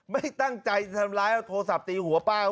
ไม่ตั้งใจจะทำร้ายเอาโทรศัพท์ตีหัวป้า